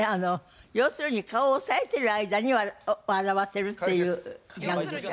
要するに顔を押さえてる間に笑わせるっていうギャグでしょ？